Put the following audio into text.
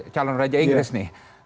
calon raja inggris nih